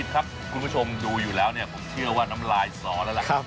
คุณผู้ชมดูอยู่แล้วผมเชื่อว่าน้ำลายสอนแล้วละครับ